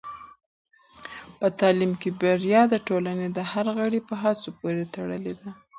په تعلیم کې بریا د ټولنې د هر غړي په هڅو پورې تړلې ده.